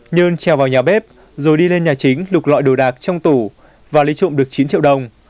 nhơn treo vào nhà bếp rồi đi lên nhà chính đục loại đồ đạc trong tủ và lấy trộm được chín triệu đồng